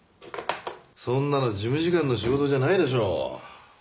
そんなの事務次官の仕事じゃないでしょう？